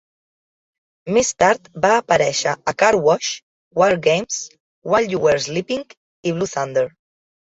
Més tard va aparèixer a Car Wash, WarGames, While You Were Sleeping, i Blue Thunder.